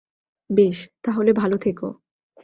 বেশ, তাহলে, ভালো থেকো।